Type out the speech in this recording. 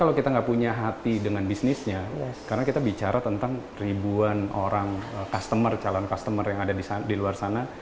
kalau kita nggak punya hati dengan bisnisnya karena kita bicara tentang ribuan orang customer calon customer yang ada di luar sana